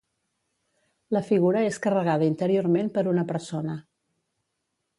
La figura és carregada interiorment per una persona.